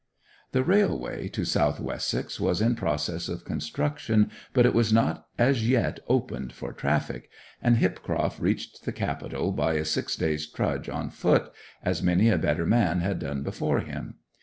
The railway to South Wessex was in process of construction, but it was not as yet opened for traffic; and Hipcroft reached the capital by a six days' trudge on foot, as many a better man had done before him.